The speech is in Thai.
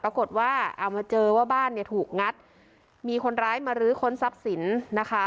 ปรากฏว่าเอามาเจอว่าบ้านเนี่ยถูกงัดมีคนร้ายมารื้อค้นทรัพย์สินนะคะ